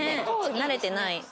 慣れてない。